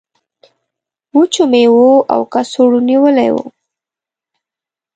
وچو میوو او کڅوړو نیولی و.